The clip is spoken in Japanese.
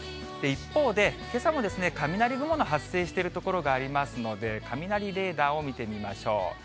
一方で、けさもですね、雷雲の発生している所がありますので、雷レーダーを見てみましょう。